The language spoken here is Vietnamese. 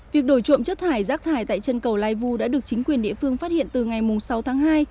việc đổi trộm chất thải rác thải tại chân cầu lai vu đã được chính quyền địa phương phát hiện từ ngày sáu tháng hai